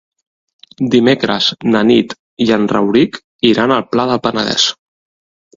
Dimecres na Nit i en Rauric iran al Pla del Penedès.